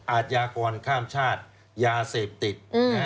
อาทยากรข้ามชาติยาเสพติด